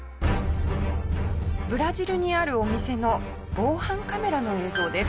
ブラジルにあるお店の防犯カメラの映像です。